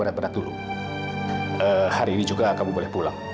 terima kasih ya